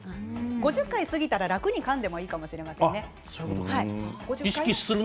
５０回過ぎたら楽にかんでもいいかもしれませんね。